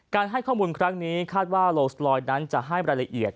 ให้ข้อมูลครั้งนี้คาดว่าโลสลอยนั้นจะให้รายละเอียด